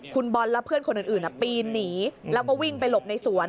คุณบอลและเพื่อนคนอื่นปีนหนีแล้วก็วิ่งไปหลบในสวน